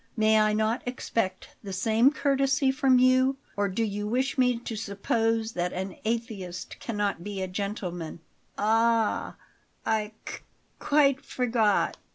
May I not expect the same courtesy from you, or do you wish me to suppose that an atheist cannot be a gentleman?" "Ah, I q quite forgot.